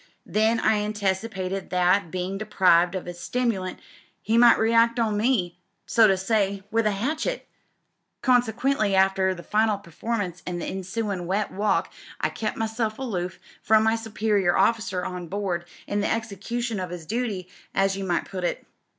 Then I anticipated that, bein' deprived of 'is stimulant, he might react on me, so to say, with a hatchet. Con sequently, after the final performance an' the ensuin' wet walk, I kep' myself aloof from my superior officer on board in the execution of 'is duty as you might put it.